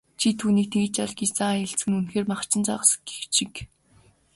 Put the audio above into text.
"Чи түүнийг тэгж ал" гэж заан хэлэлцэх нь үнэхээр махчин мангас гэгч шиг.